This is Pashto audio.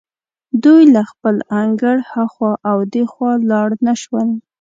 دوی له خپل انګړه هخوا او دېخوا لاړ نه شول.